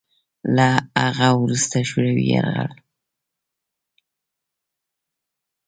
له هغه وروسته شوروي یرغل